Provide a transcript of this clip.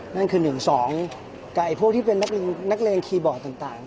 นั่นคือ๑๒กับพวกที่เป็นนักเลงคีย์บอร์ดต่าง